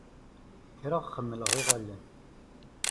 Kkreɣ xemmleɣ iɣallen.